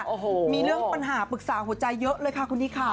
กับมีเรื่องปัญหาปรึกษาหัวใจเยอะเลยค่ะสวัสดีค่ะ